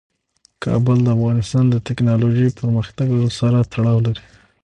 کابل د افغانستان د تکنالوژۍ پرمختګ سره تړاو لري.